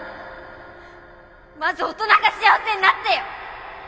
まず大人が幸せになってよ！